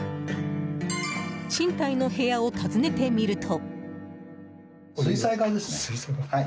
賃貸の部屋を訪ねてみると。